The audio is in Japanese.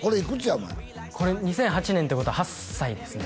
お前２００８年ってことは８歳ですね